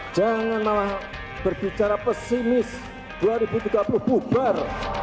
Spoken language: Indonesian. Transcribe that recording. jangan malah berbicara pesimis dua ribu tiga puluh bubar